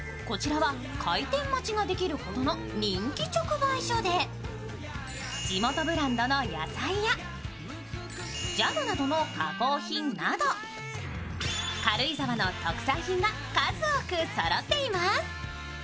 こちらは開店待ちができるほどの人気直売所で地元ブランドの野菜やジャムなどの加工品など軽井沢の特産品が数多くそろっています。